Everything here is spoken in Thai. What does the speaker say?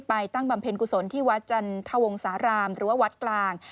ไปตั้งบำเพ็ญกุศลที่วัดจันทร์ควงศาลามหรือวัดกลาง